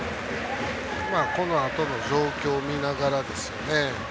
このあとの状況を見ながらですね。